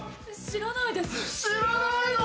知らないの！？